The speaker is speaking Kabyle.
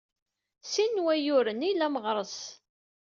Sin n wayyuren ay ila Meɣres.